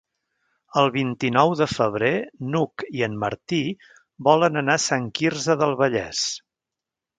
El vint-i-nou de febrer n'Hug i en Martí volen anar a Sant Quirze del Vallès.